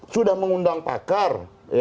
sudah mengundang pakar